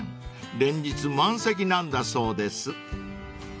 ［連日満席なんだそうです］